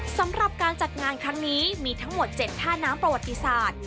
สำหรับการจัดงานครั้งนี้มีทั้งหมด๗ท่าน้ำประวัติศาสตร์